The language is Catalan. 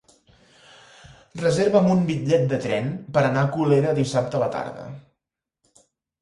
Reserva'm un bitllet de tren per anar a Colera dissabte a la tarda.